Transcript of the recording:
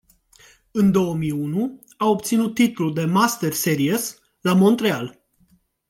În două mii unu a obținut titlul de Master Series, la Montreal.